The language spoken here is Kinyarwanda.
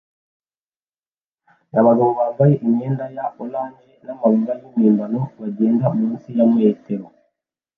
Abagabo bambaye imyenda ya orange namababa yimpimbano bagenda munsi ya metero